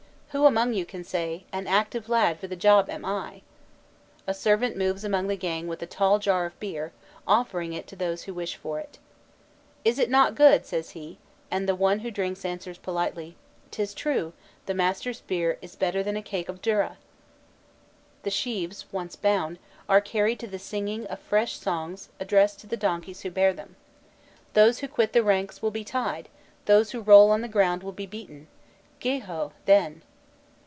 Who among you can say: 'An active lad for the job am I!'" A servant moves among the gang with a tall jar of beer, offering it to those who wish for it. "Is it not good!" says he; and the one who drinks answers politely: "'Tis true, the master's beer is better than a cake of durra!" The sheaves once bound, are carried to the singing of fresh songs addressed to the donkeys who bear them: "Those who quit the ranks will be tied, those who roll on the ground will be beaten, Geeho! then."